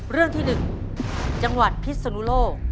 เรื่องที่๑จังหวัดพิศนุโลก